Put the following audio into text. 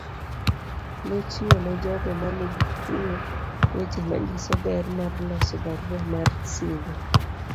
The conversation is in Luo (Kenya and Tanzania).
Nochiwo ne jogo ma nigi kuyo weche manyiso ber mar loso barua mar singo.